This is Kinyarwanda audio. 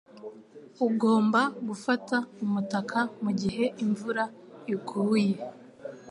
Ugomba gufata umutaka mugihe imvura iguye.